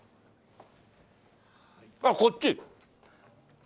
あっこっち？